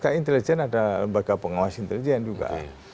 maka intelijen ada lembaga pengawas intelijen juga